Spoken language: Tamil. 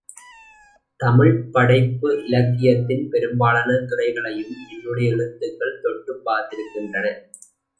தமிழ்ப் படைப்பு இலக்கியத்தின் பெரும்பாலான துறைகளையும் என்னுடைய எழுத்துகள் தொட்டுப் பாத்திருக்கின்றன!